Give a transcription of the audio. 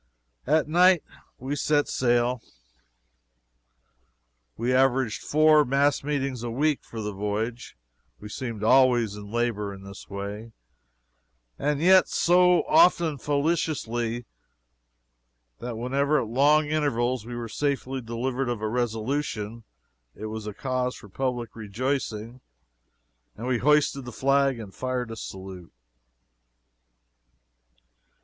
At night we set sail. We averaged four mass meetings a week for the voyage we seemed always in labor in this way, and yet so often fallaciously that whenever at long intervals we were safely delivered of a resolution, it was cause for public rejoicing, and we hoisted the flag and fired a salute.